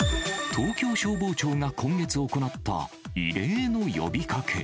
東京消防庁が今月行った、異例の呼びかけ。